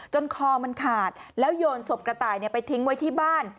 คอมันขาดแล้วโยนศพกระต่ายไปทิ้งไว้ที่บ้าน